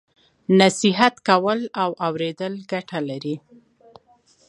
نصیحت کول او اوریدل ګټه لري.